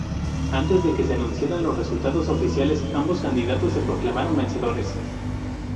Antes de que se anunciaran los resultados oficiales, ambos candidatos se proclamaron vencedores.